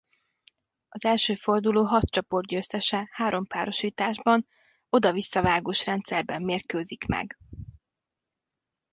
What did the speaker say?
Az első forduló hat csoportgyőztese három párosításban oda-visszavágós rendszerben mérkőzik meg.